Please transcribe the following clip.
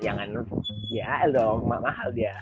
ya ga nulis j h l dong mahal dia